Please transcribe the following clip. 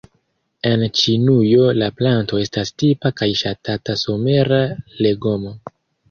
En Ĉinujo la planto estas tipa kaj ŝatata somera legomo.